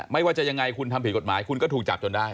ไม่ว่าจะยังไงคุณทำผิดกฎหมายคุณก็ถูกจับจนได้